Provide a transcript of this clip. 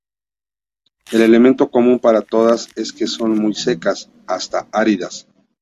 El elemento común para todas es que son muy secas, hasta áridas.